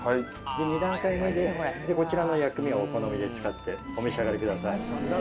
２段階目で薬味をお好みで使ってお召し上がりください。